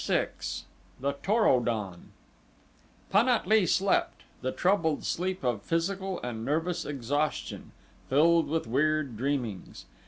6 The Tor o don Pan at lee slept the troubled sleep, of physical and nervous exhaustion, filled with weird dreamings.